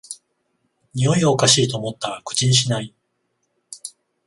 においがおかしいと思ったら口にしない